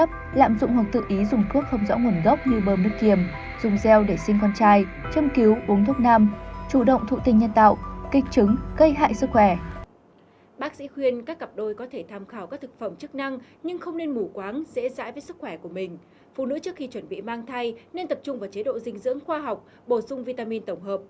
phụ nữ trước khi chuẩn bị mang thai nên tập trung vào chế độ dinh dưỡng khoa học bổ sung vitamin tổng hợp